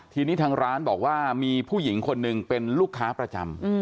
ทีนี้ทางร้านบอกว่ามีผู้หญิงคนหนึ่งเป็นลูกค้าประจำ